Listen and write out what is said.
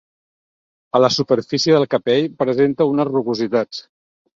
A la superfície del capell presenta unes rugositats.